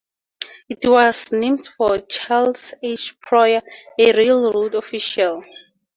It was named for Charles H. Prior, a railroad official.